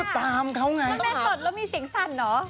ทำไมต้องมีเสียงสั่น